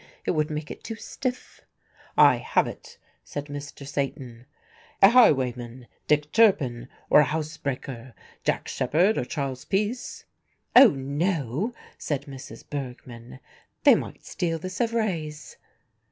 It would make it too stiff." "I have it," said Mr. Satan, "a highwayman: Dick Turpin; or a housebreaker: Jack Sheppard or Charles Peace?" "Oh! no," said Mrs. Bergmann, "they might steal the Sevres."